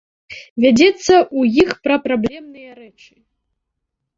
Вядзецца ў іх пра праблемныя рэчы.